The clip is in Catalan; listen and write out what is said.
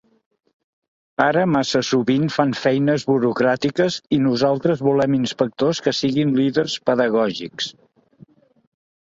Ara massa sovint fan feines burocràtiques i nosaltres volem inspectors que siguin líders pedagògics.